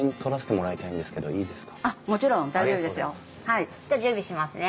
はいじゃあ準備しますね。